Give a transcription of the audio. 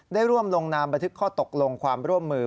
ได้ร่วมลงนามบันทึกข้อตกลงความร่วมมือ